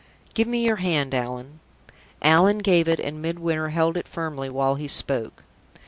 "Give me your hand, Allan." Allan gave it, and Midwinter held it firmly while he spoke.